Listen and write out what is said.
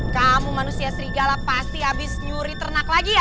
kamu manusia serigala pasti habis nyuri ternak lagi ya